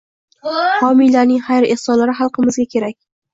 Homiylarning xayr-ehsonlari xalqimizda kerak